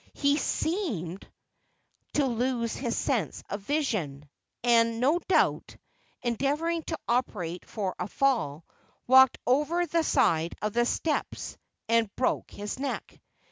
He seemed to lose his sense of vision, and no doubt, endeavoring to operate for a fall, walked over the side of the steps and broke his neck.